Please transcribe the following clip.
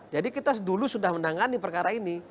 jadi kita dulu sudah menangani perkara ini